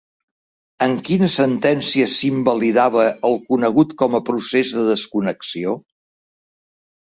En quina sentència s'invalidava el conegut com a procés de desconnexió?